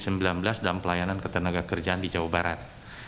kami juga berusaha dalam pelayanan ketenaga kerjaan di jawa barat